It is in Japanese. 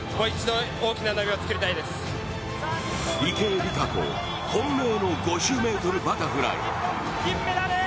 池江璃花子、本命の５０ｍバタフライ。